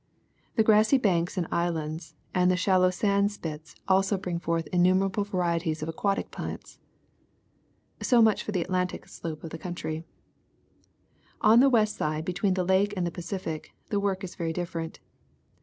The grassy banks and islands, and the shallow sand spits also bring forth innumerable varieties of aquatic plants. So much for the Atlantic slope of the country. On the west side between the Lake and the Pacific the work is very different.